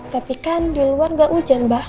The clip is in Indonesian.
tapi kan di luar nggak hujan mbak